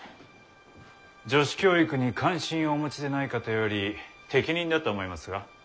女子教育に関心をお持ちでない方より適任だと思いますが。